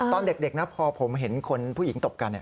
ตอนเด็กนะพอผมเห็นคนผู้หญิงตบกัน